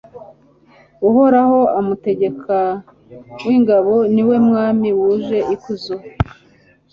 uhoraho, umutegeka w'ingabo, ni we mwami wuje ikuzo